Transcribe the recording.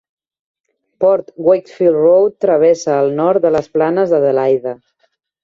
Port Wakefield Road travessa el nord de les planes d'Adelaide.